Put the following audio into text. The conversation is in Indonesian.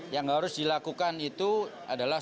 yang harus dilakukan itu adalah